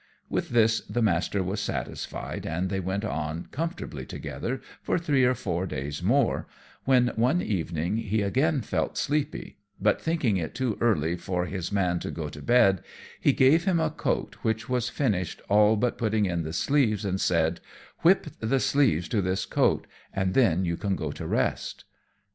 With this the Master was satisfied, and they went on comfortably together for three or four days more, when one evening he again felt sleepy; but thinking it too early for his man to go to bed, he gave him a coat which was finished all but putting in the sleeves, and said, "Whip the sleeves to this coat, and then you can go to rest."